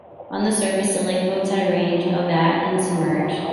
On the surface, the Lake boats had a range of at and at submerged.